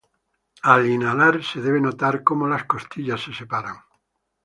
Al inhalar se debe notar como las costillas se separan.